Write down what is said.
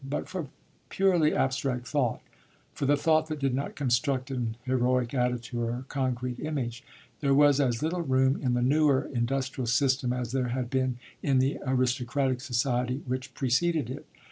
But for purely abstract thought for the thought that did not construct an heroic attitude or a concrete image there was as little room in the newer industrial system as there had been in the aristocratic society which preceded it.